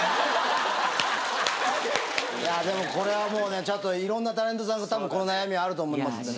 いやでもこれはいろんなタレントさんがこの悩みあると思いますんでね